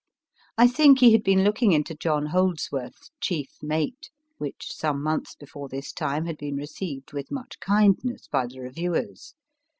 I think he had been looking into John Houldsworth : Chief Mate/ which some months before this time had been received with much kindness by the reviewers.